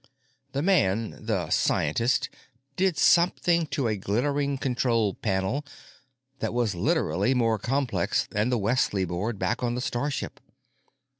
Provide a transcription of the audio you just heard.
The man, the scientist, did something to a glittering control panel that was, literally, more complex than the Wesley board back on the starship.